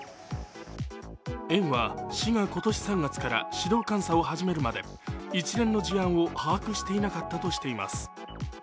園は市が今年３月から指導監査を始めるまで一連の事案を把握していなかったとしています。